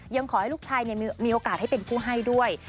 ยังขอให้ลูกชายมีโอกาสให้เป็นผู้ให้ด้วย